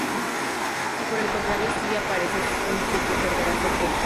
Si por el contrario si aparece un siete, perderá su apuesta.